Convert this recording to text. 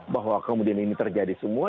bahwa kemudian ini terjadi semua